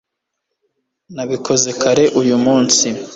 nabikoze kare uyu munsi